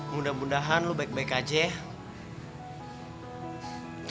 mudah mudahan lo baik baik aja